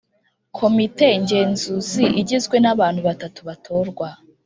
Komite ngenzuzi igizwe n abantu batatu batorwa